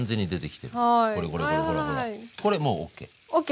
これもうＯＫ。ＯＫ！